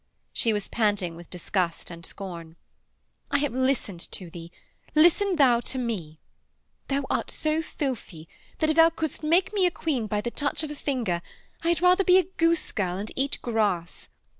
She was panting with disgust and scorn. 'I have listened to thee; listen thou to me. Thou art so filthy that if thou couldst make me a queen by the touch of a finger, I had rather be a goose girl and eat grass.